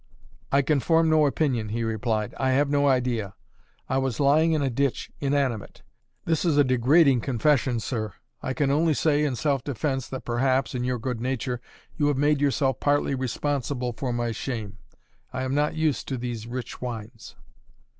"I can form no opinion," he replied. "I have no idea. I was lying in a ditch inanimate. This is a degrading confession, sir; I can only say in self defence that perhaps (in your good nature) you have made yourself partly responsible for my shame. I am not used to these rich wines."